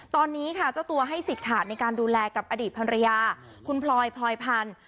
ตอนนี้ค่ะเจ้าตัวให้สิทธิ์ขาดในการดูแลกับอดีตภรรยาคุณพลอยพลอยพันธุ์